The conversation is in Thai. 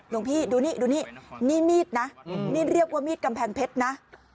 หลวงพี่ดูนี่ดูนี่นี่มีดนะนี่เรียกว่ามีดกำแพงเพชรนะ